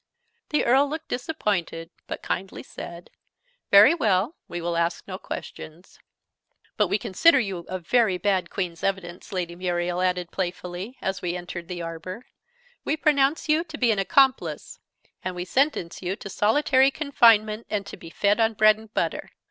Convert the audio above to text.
The Earl looked disappointed, but kindly said "Very well, we will ask no questions." {Image...Five o'clock tea} "But we consider you a very bad Queen's Evidence," Lady Muriel added playfully, as we entered the arbour. "We pronounce you to be an accomplice: and we sentence you to solitary confinement, and to be fed on bread and butter.